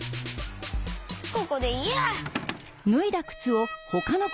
ここでいいや。